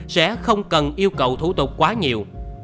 sẽ không cần yêu cầu thủ tục quá nhiều